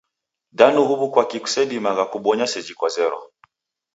Da huw'u kwaki kusedimagha kubonya seji kwazera.